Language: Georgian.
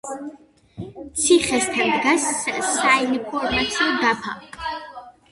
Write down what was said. ციხესთან დგას საინფორმაციო დაფა.